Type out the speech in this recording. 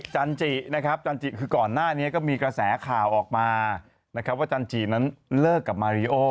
จันจินะครับจันจิคือก่อนหน้านี้ก็มีกระแสข่าวออกมานะครับว่าจันจินั้นเลิกกับมาริโอ